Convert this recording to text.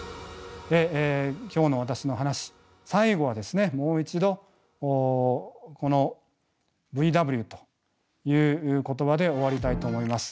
で今日の私の話最後はですねもう一度このＶＷという言葉で終わりたいと思います。